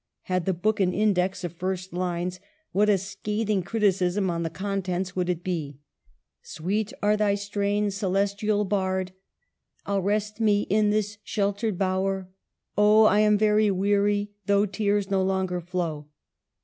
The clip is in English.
Had the book an index of first lines, what a scathing criticism on the contents would it be !" Sweet are thy strains, celestial bard." " I'll rest me in this sheltered bower." " Oh, I am very weary, though tears no longer flow."